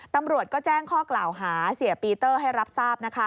ตำรวจก็แจ้งข้อกล่าวหาเสียปีเตอร์ให้รับทราบนะคะ